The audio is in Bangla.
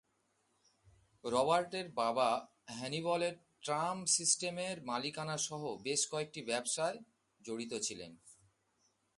রবার্টের বাবা হ্যানিবলের ট্রাম সিস্টেমের মালিকানা সহ বেশ কয়েকটি ব্যবসায় জড়িত ছিলেন।